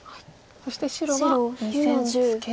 そして白は２線ツケですね。